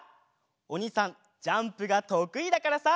おにいさんジャンプがとくいだからさ。